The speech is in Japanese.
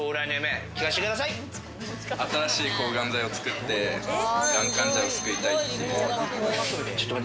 新しい抗がん剤を作って、がん患者を救いたいです。